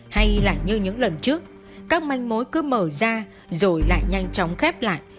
hay lại như những lần trước các manh mối cứ mở ra rồi lại nhanh chóng khép lại